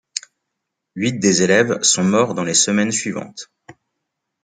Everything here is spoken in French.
Huit des élèves sont morts dans les semaines suivantes.